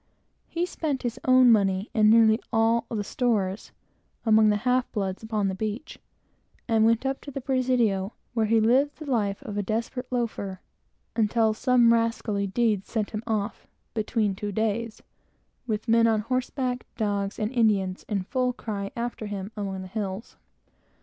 He spent his own money and nearly all the stores among the half bloods upon the beach, and being turned away, went up to the Presidio, where he lived the life of a desperate "loafer," until some rascally deed sent him off "between two days," with men on horseback, dogs, and Indians in full cry after him, among the hills.